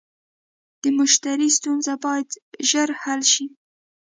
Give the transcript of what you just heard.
د مشتری ستونزه باید ژر حل شي.